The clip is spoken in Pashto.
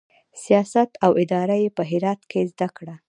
سیاست او اداره یې په هرات کې زده کړه.